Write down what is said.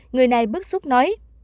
người này bức xúc nói